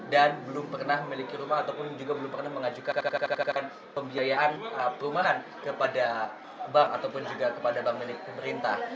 dan belum pernah memiliki rumah ataupun juga belum pernah mengajukan kekekekan pembiayaan perumahan kepada bank ataupun juga kepada bank milik pemerintah